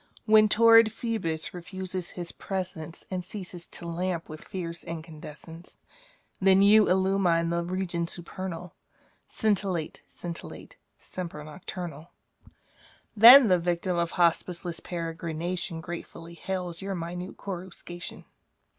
When torrid Phoebus refuses his presence And ceases to lamp with fierce incandescence^ Then you illumine the regions supernal. Scintillate, scintillate, semper nocturnal. Saintc Margirie 4T7 Then the yictiin of hospiceless peregrination Gratefully hails your minute coruscation.